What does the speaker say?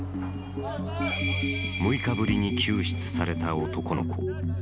６日ぶりに救出された男の子。